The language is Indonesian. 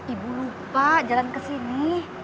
ibu lupa jalan kesini